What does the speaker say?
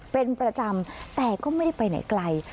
เป็นประจำแต่ก็ไม่ได้ไปไหนไกล